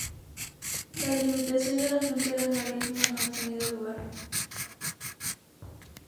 La delimitación de las fronteras marítimas no ha tenido lugar.